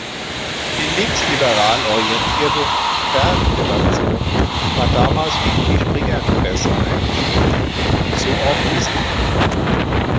Die linksliberal orientierte "stern"-Redaktion war damals gegen die Springer-Presse eingestellt und so auch Bissinger.